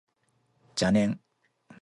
邪念